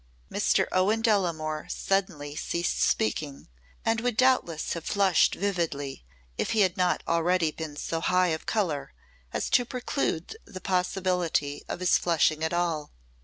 Mr. Owen Delamore suddenly ceased speaking and would doubtless have flushed vividly if he had not already been so high of colour as to preclude the possibility of his flushing at all.